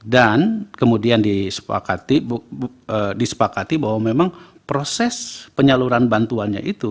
dan kemudian disepakati bahwa memang proses penyaluran bantuannya itu